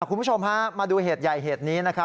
คุณผู้ชมฮะมาดูเหตุใหญ่เหตุนี้นะครับ